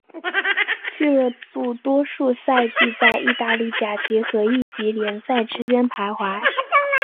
俱乐部多数赛季在意大利甲级和乙级联赛之间徘徊。